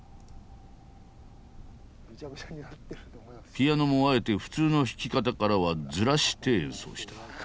ピアノもあえて普通の弾き方からはズラして演奏した。